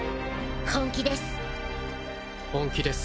本気です。